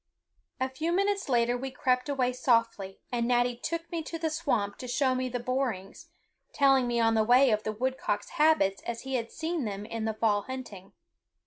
A few minutes later we crept away softly, and Natty took me to the swamp to show me the borings, telling me on the way of the woodcock's habits as he had seen them in the fall hunting.